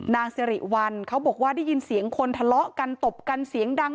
นางสิริวัลเขาบอกว่าได้ยินเสียงคนทะเลาะกันตบกันเสียงดัง